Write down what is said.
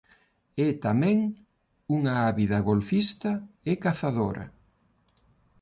É tamén unha ávida golfista e cazadora.